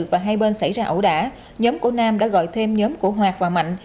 và hai bên xảy ra ẩu đả nhóm của nam đã gọi thêm nhóm của hoạt và mạnh